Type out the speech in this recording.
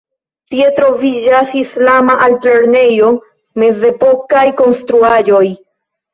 Tie troviĝas islama altlernejo, mezepokaj konstruaĵoj.